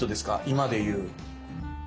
今でいう。